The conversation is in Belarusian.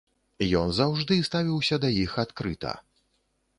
Ён заўжды ставіўся да іх адкрыта.